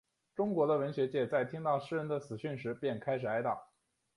中国的文学界在听到诗人的死讯时便开始哀悼。